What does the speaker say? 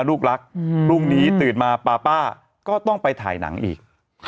ลุกนี้ตื่นมาป้าป้าก็ต้องไปถ่ายหนังอีก